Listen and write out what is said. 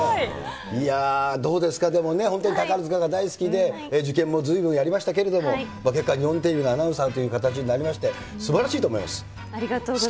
いやー、どうですか、でもね、本当に宝塚が大好きで、受験もずいぶんやりましたけれども、結果、日本テレビのアナウンサーという形になりまして、すばらしいと思ありがとうございます。